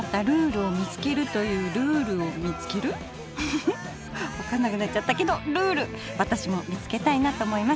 フフフ分かんなくなっちゃったけどルール私も見つけたいなと思います。